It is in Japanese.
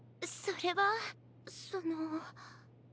それはその。